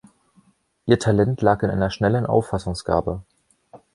Ihr Talent lag in einer schnellen Auffassungsgabe.